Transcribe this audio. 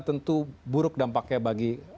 tentu buruk dampaknya bagi